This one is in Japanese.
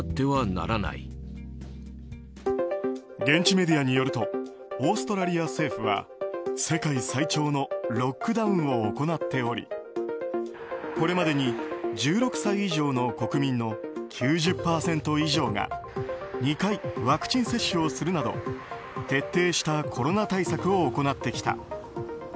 現地メディアによるとオーストラリア政府は世界最長のロックダウンを行っておりこれまでに１６歳以上の国民の９０％以上が２回ワクチン接種をするなど徹底したコロナ対策を行ってきた。